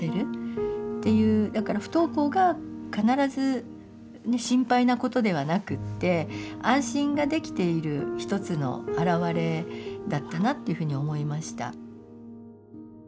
だから不登校が必ず心配なことではなくって安心ができている一つの表れだったなっていうふうに思いました。